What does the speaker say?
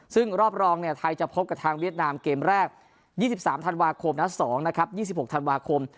ซึ่งรอบรองไทยจะพบกับทางเวียดนามเกมแรก๒๓ธันวาคมนัด๒นะครับ๒๖ธันวาคม